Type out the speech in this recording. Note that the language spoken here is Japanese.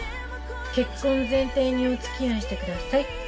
結婚を前提にお付き合いしてくださいって。